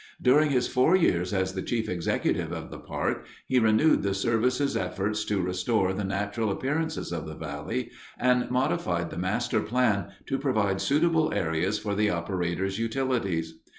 During his four years as the chief executive of the park he renewed the service's efforts to restore the natural appearance of the valley, and modified the master plan to provide suitable areas for the operators' utilities.